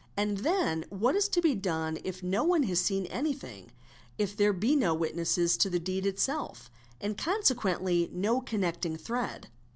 And then what is to be done if no one has seen anything, if there be no witness to the deed itself. and consequently no connecting thread?